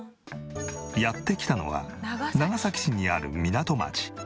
やって来たのは長崎市にある港町。